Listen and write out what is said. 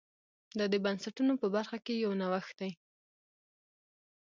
دا د بنسټونو په برخه کې یو نوښت دی.